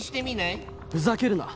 ふざけるな！